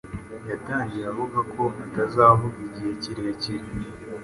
Yatangiye avuga ko atazavuga igihe kirekire.